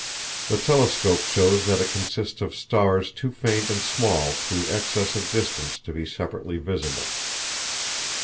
The telescope shows that it consists of stars too faint and small through excess of distance to be separately visible.